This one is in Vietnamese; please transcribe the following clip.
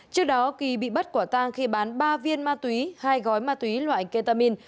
trước đó kỳ bị bắt quả tang khi bán ba viên ma túy hai gói ma túy loại ketamin